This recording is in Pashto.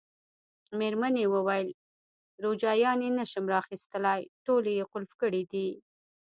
مېرمنې وویل: روجایانې نه شم را اخیستلای، ټولې یې قلف کړي دي.